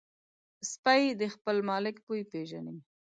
سپي د خپل مالک بوی پېژني.